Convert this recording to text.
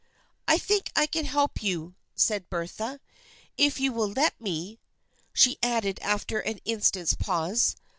" I think I can help you," said Bertha. " If you will let me," she added after an instant's pause.